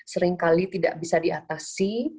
seringkali tidak bisa diatasi